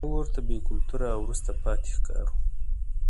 موږ ورته بې کلتوره او وروسته پاتې ښکارو.